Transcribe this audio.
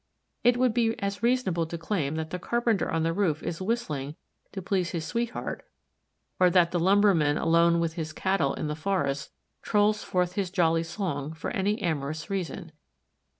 It would be as reasonable to claim that the carpenter on the roof is whistling to please his sweetheart or that the lumberman alone with his cattle in the forest trolls forth his jolly song for any amorous reason.